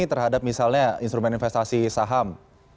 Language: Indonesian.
terhadap misalnya instrumen investasi saham